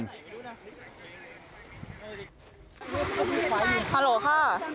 ฮัลโหลค่ะ